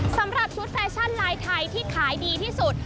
สำหรับชุดแฟชั่นลายไทยที่ขายดีที่สุด